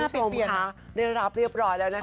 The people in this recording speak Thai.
โทษค่ะในรอบเรียบร้อยแล้วนะคะ